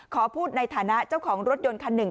ขอพูดในฐานะเจ้าของรถยนต์คันหนึ่ง